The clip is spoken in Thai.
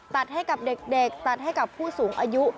ตัดให้กับเด็กตัดให้กับผู้สูงอายุ